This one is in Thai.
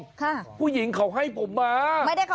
ค่ะไม่ได้ขโมยผู้หญิงเขาให้ผมมา